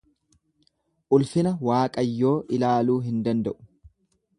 Ulfina Waaqayyoo ilaaluu hin danda'u.